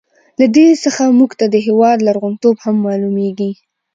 له دې څخه موږ ته د هېواد لرغون توب هم معلوميږي.